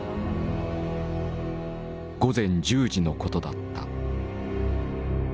午前１０時のことだった。